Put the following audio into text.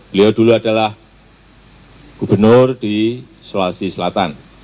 beliau dulu adalah gubernur di sulawesi selatan